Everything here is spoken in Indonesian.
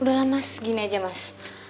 udah lah mas gini aja mas